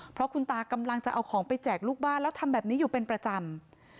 เพราะคุณตากำลังจะเอาของไปแจกลูกบ้านแล้วทำแบบนี้อยู่เป็นประจำ